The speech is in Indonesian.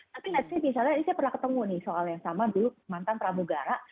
tapi misalnya saya pernah ketemu nih soal yang sama dulu mantan pramugara